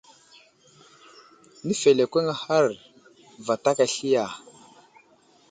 Nəfelekweŋ ahar vatak asli ya ?